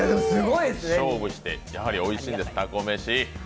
勝負して、やはりおいしいです、たこめし。